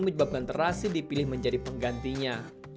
menyebabkan terasi dipilih menjadi penggantinya